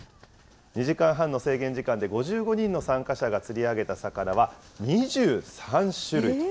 ２時間半の制限時間で５５人の参加者が釣り上げた魚は２３種類。